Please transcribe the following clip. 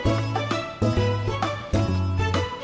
ini telur apa sih